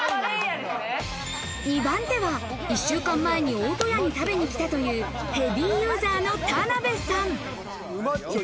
２番手は、１週間前に大戸屋に食べに来たというヘビーユーザーの田辺さん。